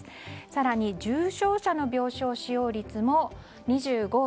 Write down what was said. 更に重症者の病床使用率も２５．２％。